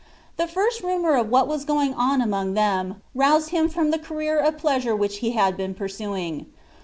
The first MMnr of what was going on among them, roused him from the career <f plawure which he had been pursuing.